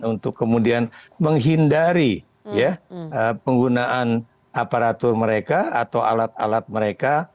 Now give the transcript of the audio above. untuk kemudian menghindari penggunaan aparatur mereka atau alat alat mereka